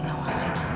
kan tapi cuy